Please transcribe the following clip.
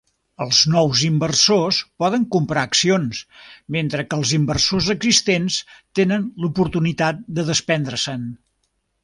Els nous inversors poden comprar accions, mentre que els inversors existents tenen l'oportunitat de desprendre-se'n.